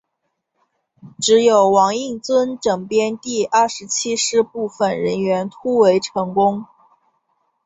只有王应尊整编第二十七师部分人员突围成功。